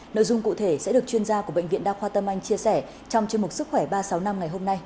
nội dung cụ thể sẽ được chuyên gia của bệnh viện đa khoa tâm anh chia sẻ trong chương mục sức khỏe ba trăm sáu mươi năm ngày hôm nay